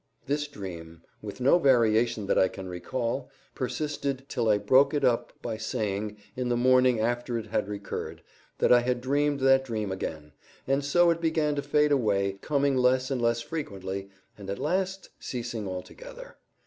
This dream, with no variation that I can recall, persisted till I broke it up by saying, in the morning after it had recurred, that I had dreamed that dream again; and so it began to fade away, coming less and less frequently, and at last ceasing altogether.